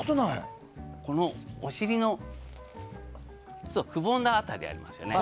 お尻のくぼんだ辺りありますよね。